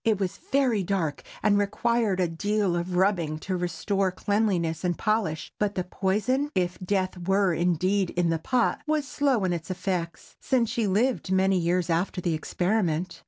It was very dark, and required a deal of rubbing to restore cleanliness and polish; but the poison—if death were, indeed, in the pot—was slow in its effects, since she lived many years after the experiment.